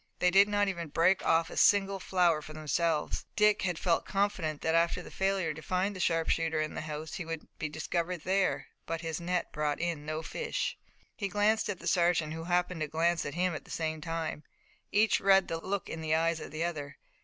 They did not even break off a single flower for themselves. Dick had felt confident that after the failure to find the sharpshooter in the house he would be discovered there, but his net brought in no fish. He glanced at the sergeant, who happened to glance at him at the same time. Each read the look in the eyes of the other.